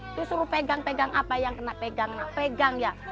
itu suruh pegang pegang apa yang kena pegang ya